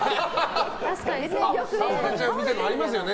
倒れちゃうみたいなのありますよね。